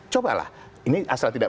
coba lah ini asal tidak